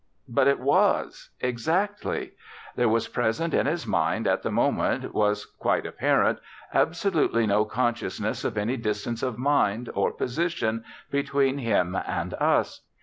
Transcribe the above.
But it was, exactly. There was present in his mind at the moment, was quite apparent, absolutely no consciousness of any distance of mind, or position, between him and us.